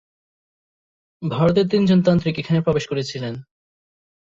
ভারতের তিনজন তান্ত্রিক এখানে প্রবেশ করেছিলেন।